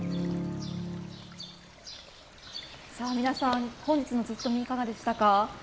皆さん、本日のずっとみいかがでしたか？